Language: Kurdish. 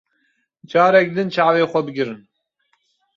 Carek din çavên xwe bigirin.